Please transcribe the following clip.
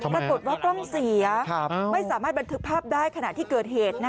ปรากฏว่ากล้องเสียไม่สามารถบันทึกภาพได้ขณะที่เกิดเหตุ